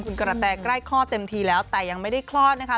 คุณกระแตใกล้คลอดเต็มทีแล้วแต่ยังไม่ได้คลอดนะคะ